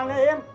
lo mau kemana im